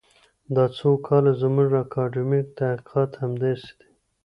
دا څو کاله زموږ اکاډمیک تحقیقات همداسې دي.